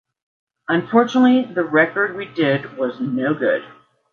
Unfortunately, the record we did was no good.